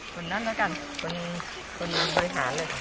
คนนั้นหน้าการคนนั้นโดยหารเลย